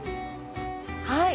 はい。